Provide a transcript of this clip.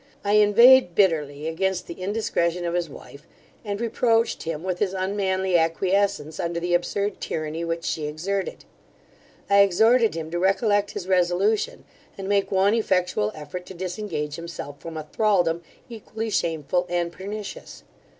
I inveighed bitterly against the indiscretion of his wife, and reproached him with his unmanly acquiescence under the absurd tyranny which she exerted. I exhorted him to recollect his resolution, and make one effectual effort to disengage himself from a thraldom, equally shameful and pernicious.